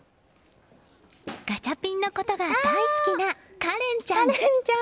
ガチャピンのことが大好きな佳恋ちゃん。